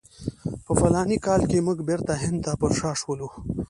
په فلاني کال کې موږ بیرته هند ته پر شا شولو.